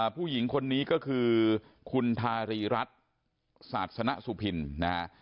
ผู้หญิงคนนี้ก็คือคุณทารีรัฐศาสนสุพินนะฮะ